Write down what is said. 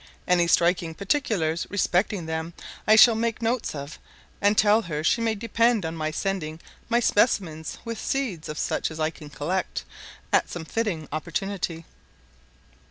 Any striking particulars respecting them I shall make notes of; and tell her she may depend on my sending my specimens, with seeds of such as I can collect, at some fitting opportunity.